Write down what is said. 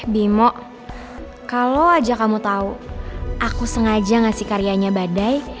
bimo kalau aja kamu tahu aku sengaja ngasih karyanya badai